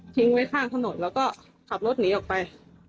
ไว้ข้างถนนแล้วก็ขับรถหนีออกไป